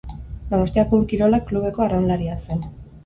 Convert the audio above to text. Donostiako Ur-Kirolak klubeko arraunlaria zen.